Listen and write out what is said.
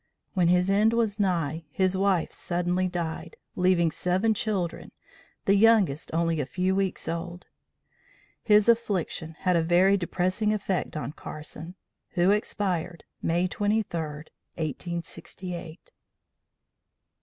When his end was nigh, his wife suddenly died, leaving seven children, the youngest only a few weeks old. His affliction had a very depressing effect on Carson, who expired May 23, 1868. CHAPTER XXXVIII. Letter from General W. T.